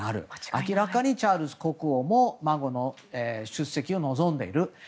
明らかにチャールズ国王も孫の出席を望んでいる。